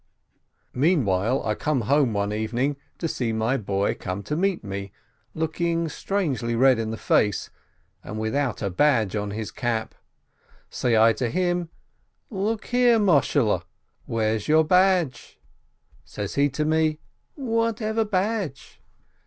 Meanwhile I come home 178 SHOLOM ALECHEM one evening, and see my boy come to meet me, looking strangely red in the face, and without a badge on his cap. Say I to him, "Look here, Moshehl, where's your badge?" Says he to me, "Whatever badge?"